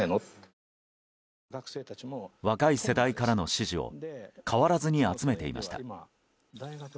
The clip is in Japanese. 若い世代からの支持を変わらずに集めていました。